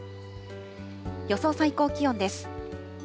予想最高気温です。